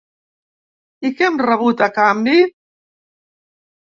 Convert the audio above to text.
I què hem rebut a canvi?